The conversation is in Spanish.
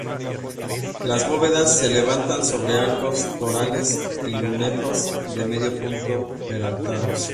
Las bóvedas se levantan sobre arcos torales y lunetos de medio punto, peraltados.